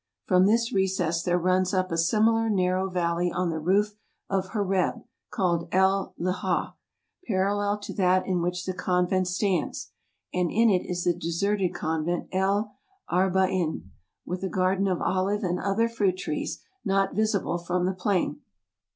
From this recess there runs up a similar narrow valley on the west of Horeb, called El Leja, parallel to that in which the convent stands, and in it is the deserted convent El Arba'in, with a garden of olive and other fruit trees not visible from the plain.